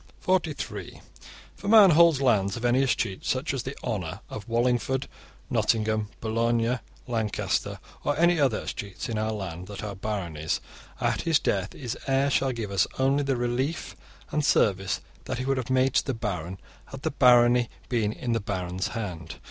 (43) If a man holds lands of any 'escheat' such as the 'honour' of Wallingford, Nottingham, Boulogne, Lancaster, or of other 'escheats' in our hand that are baronies, at his death his heir shall give us only the 'relief' and service that he would have made to the baron, had the barony been in the baron's hand.